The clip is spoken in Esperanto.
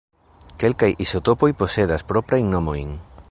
Kelkaj izotopoj posedas proprajn nomojn.